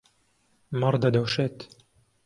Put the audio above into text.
مەڕ دەدۆشێت.